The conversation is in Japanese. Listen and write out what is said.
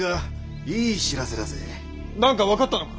何か分かったのか？